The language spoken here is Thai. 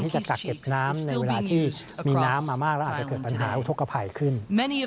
ต้องการที่จะไปรับรู้ถึงปัญหาในการแก้ไขปัญหา